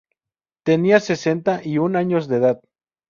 Tenía sesenta y un años de edad.